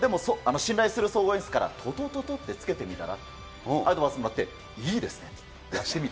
信頼する総合演出からトトトトってつけてみたらってアドバイスもらって、いいですねって。